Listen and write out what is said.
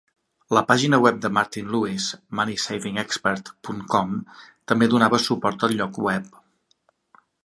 La pàgina web de Martin Lewis MoneySavingExpert.com també donava suport al lloc web.